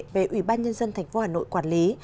về ủy ban nhân dân tp hà nội quản lý